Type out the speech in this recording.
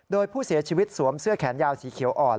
โดยผู้เสียชีวิตสวมเสื้อแขนยาวสีเขียวอ่อน